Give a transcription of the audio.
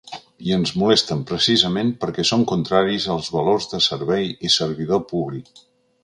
I ens molesten, precisament, perquè son contraris als valors de servei i servidor públic.